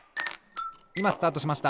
いまスタートしました。